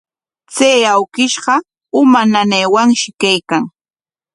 Chay awkishqa uma nanaywanshi kaykan.